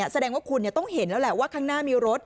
แสดงว่าคุณต้องเห็นแล้วแหละว่าข้างหน้ามีรถ